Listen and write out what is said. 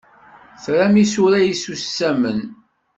Tram isura isusamen?